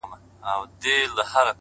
ذهن هغه څه تعقیبوي چې پرې تمرکز شي!